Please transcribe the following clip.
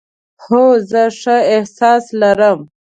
هو، زه ښه احساس لرم